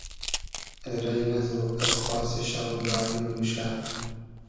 رݷ نئزو از پاسی شۆ داییم موشۂ